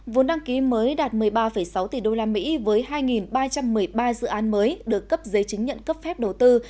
vốn đăng ký mới đạt một mươi ba sáu tỷ usd với hai ba trăm một mươi ba dự án mới được cấp giấy chứng nhận cấp phép đầu tư